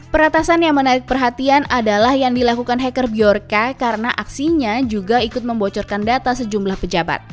peretasan yang menarik perhatian adalah yang dilakukan hacker bjorka karena aksinya juga ikut membocorkan data sejumlah pejabat